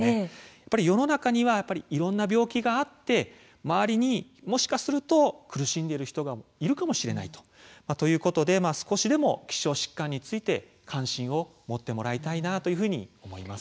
やっぱり世の中にはいろんな病気があって周りに、もしかすると苦しんでいる人がいるかもしれないと少しでも希少疾患について関心を持ってもらいたいというふうに思います。